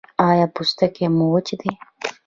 ایا پوستکی مو وچ دی؟